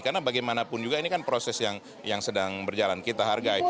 karena ini kan proses yang sedang berjalan kita hargai